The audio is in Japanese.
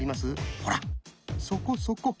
ほらそこそこ！